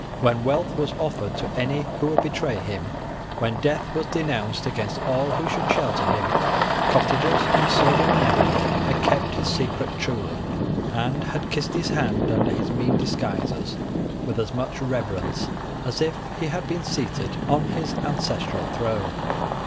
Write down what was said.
When wealth was offered to any who would betray him, when death was denounced against all who should shelter him, cottagers and serving men had kept his secret truly, and had kissed his hand under his mean disguises with as much reverence as if he had been seated on his ancestral throne.